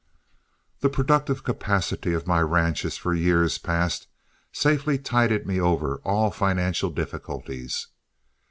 The productive capacity of my ranches for years past safely tided me over all financial difficulties.